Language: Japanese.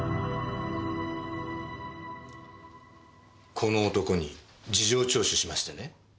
この男に事情聴取しましてね。